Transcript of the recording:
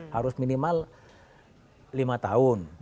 harus minimal lima tahun